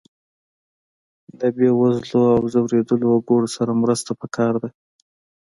له بې وزلو او ځورېدلو وګړو سره مرسته پکار ده.